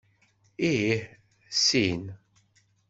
Ih, sin.